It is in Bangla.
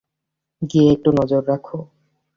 গিয়ে একটু নজর রাখো।